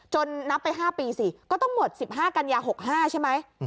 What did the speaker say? นับไป๕ปีสิก็ต้องหมด๑๕กันยา๖๕ใช่ไหม